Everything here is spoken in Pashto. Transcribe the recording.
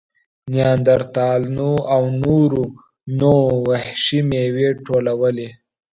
نیاندرتالانو او نورو نوعو وحشي مېوې ټولولې.